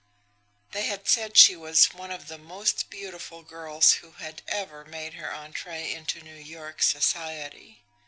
They had said she was one of the most beautiful girls who had ever made her entree into New York society.